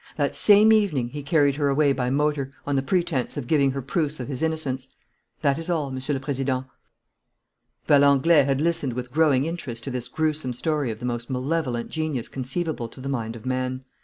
That same evening he carried her away by motor, on the pretence of giving her proofs of his innocence. That is all, Monsieur le Président." Valenglay had listened with growing interest to this gruesome story of the most malevolent genius conceivable to the mind of man.